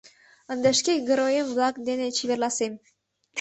Ынде шке героем-влак дене чеверласем.